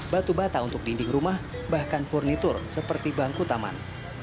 batu bata untuk dinding rumah bahkan furnitur seperti bangku taman